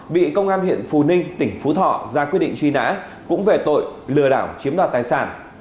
bị công an huyện phù ninh tỉnh phú thọ ra quyết định truy nã cũng về tội lừa đảo chiếm đoạt tài sản